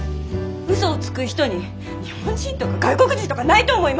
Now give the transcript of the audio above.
うそをつく人に日本人とか外国人とかないと思います！